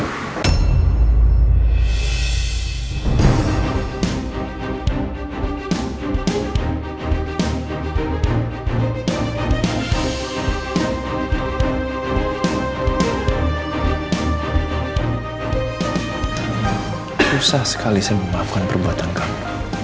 susah sekali saya memaafkan perbuatan kamu